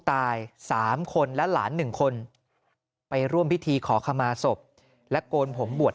ตาย๓คนและหลาน๑คนไปร่วมพิธีขอขมาศพและโกนผมบวช